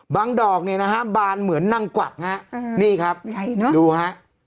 ดอกเนี่ยนะฮะบานเหมือนนางกวักฮะนี่ครับใหญ่เนอะดูฮะ